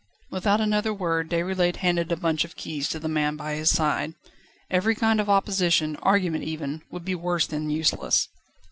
Without another word Déroulède handed a bunch of keys to the man by his side. Every kind of opposition, argument even, would be worse than useless.